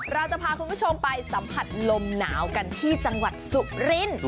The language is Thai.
เราจะพาคุณผู้ชมไปสัมผัสลมหนาวกันที่จังหวัดสุรินทร์